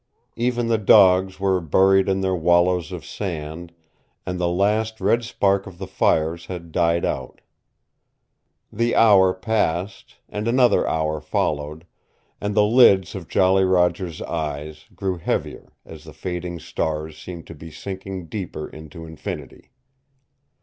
Even the dogs were buried in their wallows of sand, and the last red spark of the fires had died out. The hour passed, and another hour followed, and the lids of Jolly Roger's eyes grew heavier as the fading stars seemed to be sinking deeper into infinity.